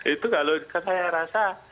itu kalau saya rasa